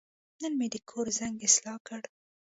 نن مې د کور زنګ اصلاح کړ.